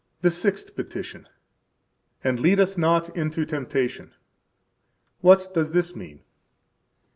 The Sixth Petition. And lead us not into temptation. What does this mean?